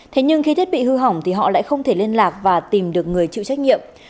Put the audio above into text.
thế nhưng khi thiết bị hư hỏng thì họ lại không thể liên lạc và tìm được người chịu trách nhiệm